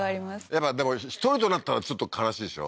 やっぱでも１人となったらちょっと悲しいでしょ？